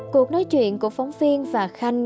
cuộc nói chuyện của phóng viên và khanh